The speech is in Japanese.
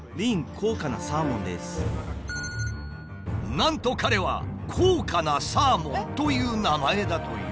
なんと彼は「高価なサーモン」という名前だという。